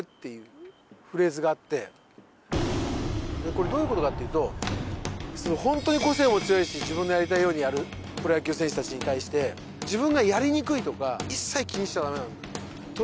これどういう事かっていうと本当に個性も強いし自分のやりたいようにやるプロ野球選手たちに対して自分がやりにくいとか一切気にしちゃ駄目なんだと。